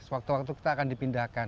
sewaktu waktu kita akan dipindahkan